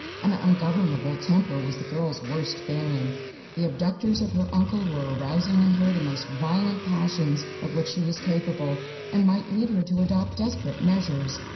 An ungovernable temper was the girl's worst failing; the abductors of her uncle were arousing in her the most violent passions of which she was capable, and might lead her to adopt desperate measures.